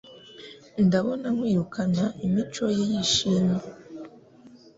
Ndabona kwirukana imico ye yishimye.